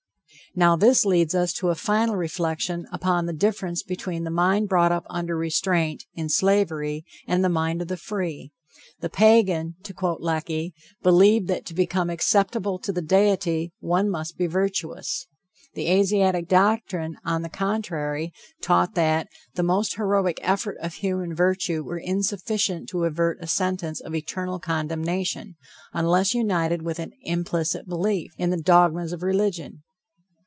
Now this leads us to a final reflection upon the difference between the mind brought up under restraint, in slavery, and the mind of the free. "The Pagan," to quote Lecky, "believed that to become acceptable to the deity, one must be virtuous;" the Asiatic doctrine, on the contrary, taught that "the most heroic efforts of human virtue are insufficient to avert a sentence of eternal condemnation, unless united with an implicit belief" in the dogmas of religion.